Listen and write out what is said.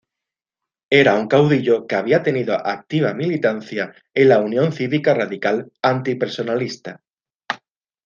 Era un caudillo que había tenido activa militancia en la Unión Cívica Radical Antipersonalista.